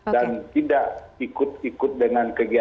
dan tidak ikut ikut dengan kegiatan